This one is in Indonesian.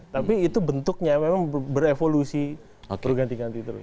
tapi itu bentuknya memang berevolusi berganti ganti terus